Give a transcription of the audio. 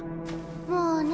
もうね